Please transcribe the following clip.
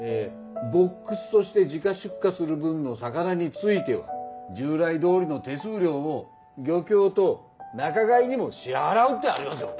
「ボックスとして自家出荷する分の魚については従来通りの手数料を漁協と仲買にも支払う」ってありますじゃろ！